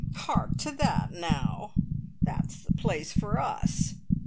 Hark to that now! That's the place for us!"